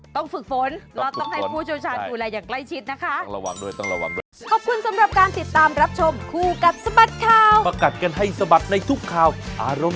ต้องฝึกฝนแล้วต้องให้ผู้ชมชาญภูรายอย่างใกล้ชิดนะคะ